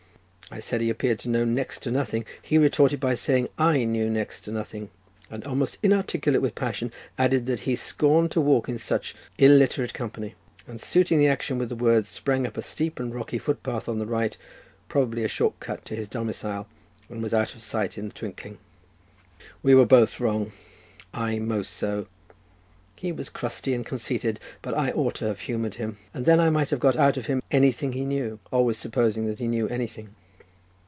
I said he appeared to know next to nothing. He retorted by saying I knew less than nothing, and, almost inarticulate with passion, added that he scorned to walk in such illiterate company, and suiting the action to the word, sprang up a steep and rocky footpath on the right, probably a short cut to his domicile, and was out of sight in a twinkling. We were both wrong; I most so. He was crusty and conceited, but I ought to have humoured him, and then I might have got out of him anything he knew, always supposing that he knew anything.